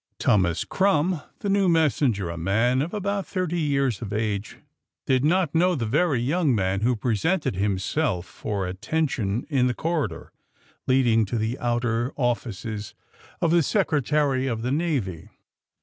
Thomas Krumm, the new messenger, a man of about thirty years of age, did not know the very yonng man who presented himself for ai> tention in the corridor leading to the outer offices of the Secretary of the Navy.